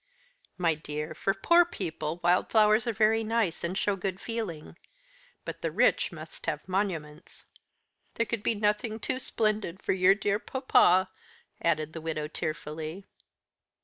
"My dear, for poor people wild flowers are very nice, and show good feeling but the rich must have monuments. There could be nothing too splendid for your dear papa," added the widow tearfully.